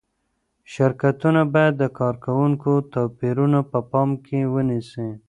شرکتونه باید د کارکوونکو توپیرونه په پام کې ونیسي.